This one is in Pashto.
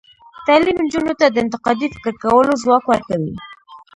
تعلیم نجونو ته د انتقادي فکر کولو ځواک ورکوي.